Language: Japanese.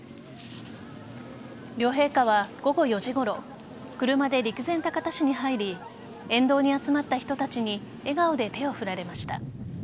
両陛下は午後４時ごろ車で陸前高田市に入り沿道に集まった人たちに笑顔で手を振られました。